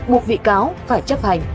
bộ vị cáo phải chấp hành